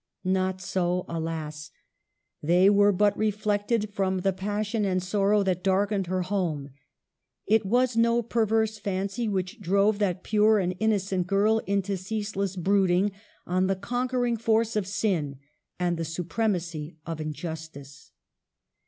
Not so, alas ! They were but reflected from the passion and sorrow that darkened her home ; it was no perverse fancy which drove that pure and innocent girl into ceaseless brooding on the conquering force of sin and the supremacy of injustice.